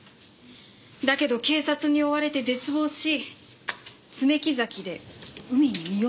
だけど警察に追われて絶望し爪木崎で海に身を投げる。